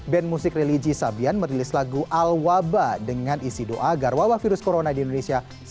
band musik religi sabian merilis lagu al wabah dengan isi doa agar wabah virus corona di indonesia